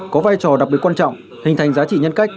có vai trò đặc biệt quan trọng hình thành giá trị nhân cách